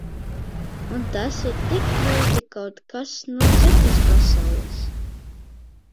Un tas ir tik ļoti kaut kas no citas pasaules.